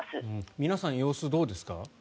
皆さん、様子どうですか？